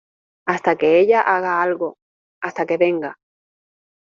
hasta que ella haga algo, hasta que venga